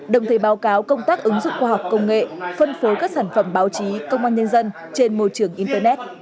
đồng thời báo cáo công tác ứng dụng khoa học công nghệ phân phối các sản phẩm báo chí công an nhân dân trên môi trường internet